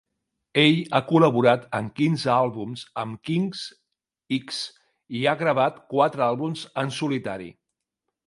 Ell ha col·laborat en quinze àlbums amb King's X i ha gravat quatre àlbums en solitari.